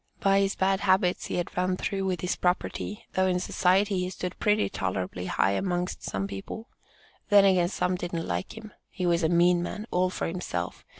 "By his bad habits he had run through with his property, though in society he stood pretty tolerably high amongst some people; then again some didn't like him, he was a mean man, all for himself.